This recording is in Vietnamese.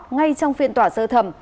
ngay trong phiên tỏa sơ thẩm